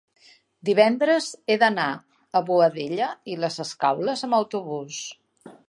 divendres he d'anar a Boadella i les Escaules amb autobús.